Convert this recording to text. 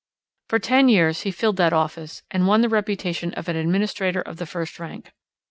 For ten years he filled that office and won the reputation of an administrator of the first rank.